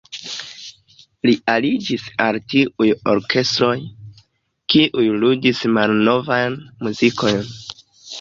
Li aliĝis al tiuj orkestroj, kiuj ludis malnovajn muzikojn.